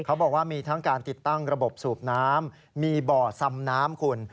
เขาบอกว่ามีทั้งการติดตั้งระบบสูบน้ำมีบ่อซำน้ำคุณ